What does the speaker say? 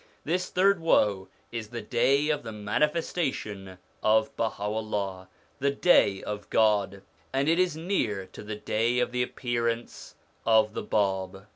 This third woe is the day of the manifestation of Baha'ullah, the day of God ; and it is near to the day of the appearance of the Bab.